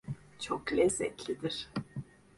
Çok lezzetlidir.